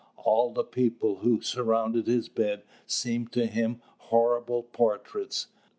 All the people who surrounded his bed seemed to him horrible portraits.